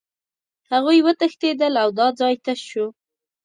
هغوی وتښتېدل او دا ځای تش شو